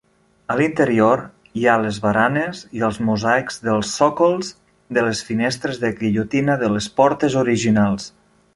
A l'interior, hi ha les baranes i els mosaics dels sòcols de les finestres de guillotina de les portes originals.